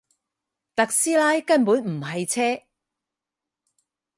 特斯拉根本唔係車